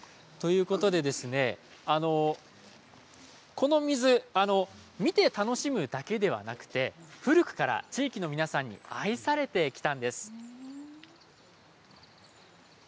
この水は見て楽しむだけではなくて古くから地域の皆さんに愛されてきたんです。